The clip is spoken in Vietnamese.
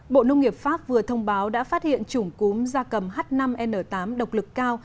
bộ nông nghiệp pháp vừa thông báo đã phát hiện chủng cúm da cầm h năm n tám độc lực cao